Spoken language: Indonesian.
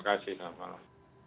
terima kasih selamat malam